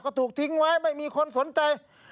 ก็ถูกทิ้งไว้ไม่มีคนสนใจ